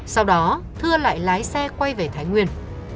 sau đó thưa lại lái xe quay về thái nguyên